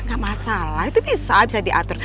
nggak masalah itu bisa bisa diatur